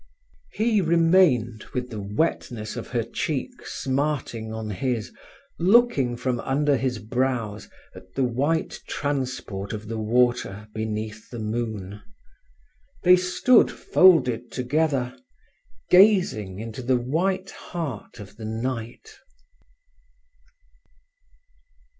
He remained, with the wetness of her cheek smarting on his, looking from under his brows at the white transport of the water beneath the moon. They stood folded together, gazing into the white heart of the night.